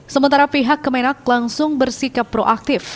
sementara pihak kemenak langsung bersikap proaktif